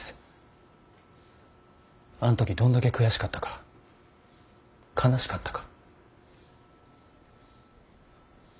あん時どんだけ悔しかったか悲しかったか。